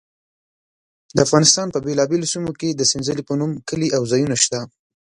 د افغانستان په بېلابېلو سیمو کې د سنځلې په نوم کلي او ځایونه شته.